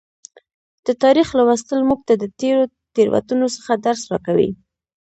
د تاریخ لوستل موږ ته د تیرو تیروتنو څخه درس راکوي.